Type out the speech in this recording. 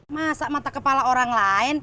masak mata kepala orang lain